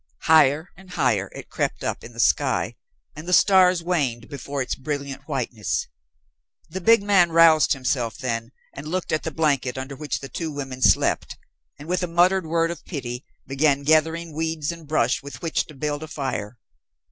Higher and higher it crept up in the sky, and the stars waned before its brilliant whiteness. The big man roused himself then, and looked at the blanket under which the two women slept, and with a muttered word of pity began gathering weeds and brush with which to build a fire.